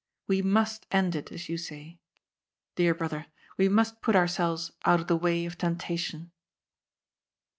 We must end it, as you say. Dear brother, we must put ourselves out of the way of temptation."